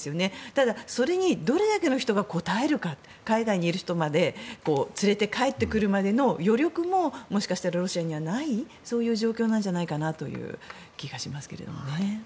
ただ、それにどれだけの人が応えるか海外にいる人まで連れて帰ってくるまでの余力ももしかしたらロシアにはないそういう状況ではという気がしますがね。